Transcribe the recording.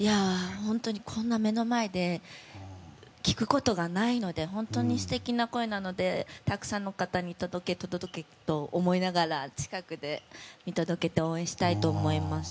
本当にこんな目の前で聴くことがないので本当に素敵な声なのでたくさんの方に届け、届けと思いながら近くで見届けて応援したいと思います。